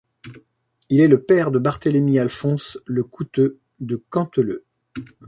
Il est le père de Barthélémy-Alphonse Le Couteulx de Canteleu.